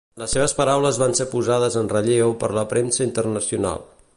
Les seves paraules van ser posades en relleu per la premsa internacional.